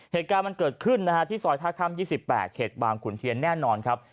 เหตุการณ์มันเกิดขึ้นนะฮะที่ซอยท่าข้าม๒๘เขตบางขุนเทียนแน่นอนครับ